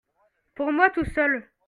Pour moi tout seul